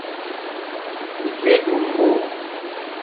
Nga-d umuɣ.